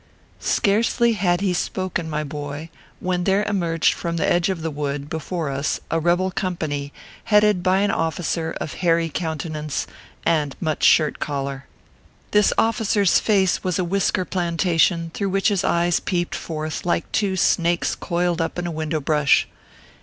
Scarcely had he spoken, my boy, when there emerged from the edge of the wood before us a rebel company, headed by an officer of hairy countenance and much shirt collar. This officer s face was a whisker plantation, through which his eyes peeped forth like two snakes coiled up in a window brush.